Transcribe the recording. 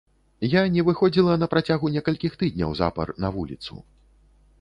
Я не выходзіла на працягу некалькіх тыдняў запар на вуліцу.